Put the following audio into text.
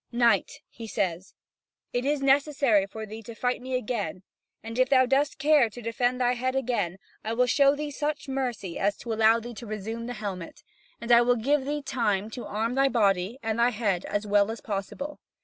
"Knight," he says, "it is necessary for thee to fight me again, and if thou dost care to defend thy head again, I will show thee such mercy as to allow thee to resume the helmet; and I will give thee time to arm thy body and thy head as well as possible.